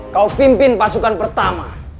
kau pimpin pasukan pertama